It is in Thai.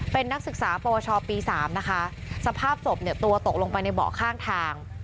เป็นนักศึกษาปวชปี๓นะคะสภาพศพเนี่ยตัวตกลงไปในเบาะข้างทาง